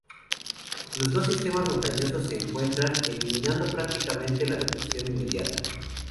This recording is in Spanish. Los dos sistemas montañosos se entrecruzan, eliminando prácticamente la Depresión intermedia.